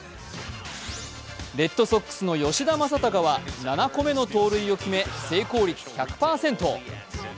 レッドソックスの吉田正尚は７個目の盗塁を決め成功率１００％。